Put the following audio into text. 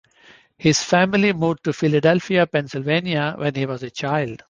His family moved to Philadelphia, Pennsylvania when he was a child.